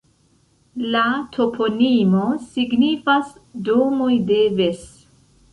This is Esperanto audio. La toponimo signifas Domoj de Ves.